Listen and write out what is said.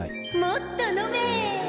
もっと飲め！